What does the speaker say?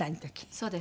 そうです。